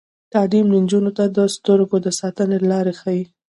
تعلیم نجونو ته د سترګو د ساتنې لارې ښيي.